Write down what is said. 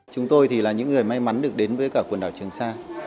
chúng tôi thì là những người may mắn được đến với cả quần đảo trường sa